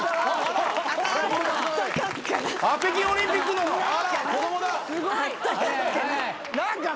北京オリンピックの子供だ。